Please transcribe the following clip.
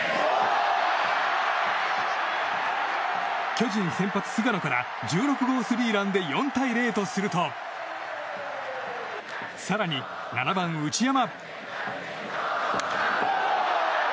巨人先発、菅野から１６号スリーランで４対０とすると更に７番、内山。